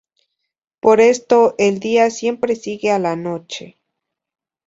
Por esto el día siempre sigue a la noche.